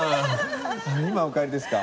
今お帰りですか？